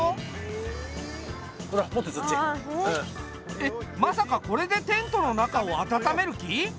えっまさかこれでテントの中を温める気？